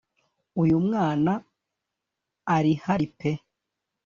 uyu mwana arihari pe